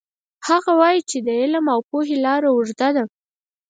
هغه وایي چې د علم او پوهې لار اوږده ده